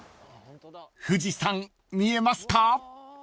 ［富士山見えますか？］